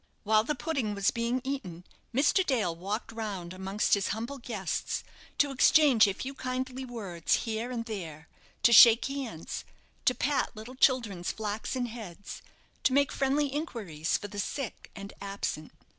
While the pudding was being eaten, Mr. Dale walked round amongst his humble guests, to exchange a few kindly words here and there; to shake hands; to pat little children's flaxen heads; to make friendly inquiries for the sick and absent.